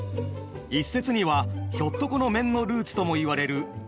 一説にはひょっとこの面のルーツともいわれる口をとがらせたもの。